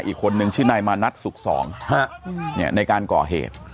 อีกคนนึงชื่อนายมานัดสุขสองในการก่อเหตุ